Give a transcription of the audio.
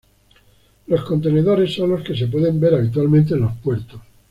Los contenedores son los que se pueden ver habitualmente en los puertos.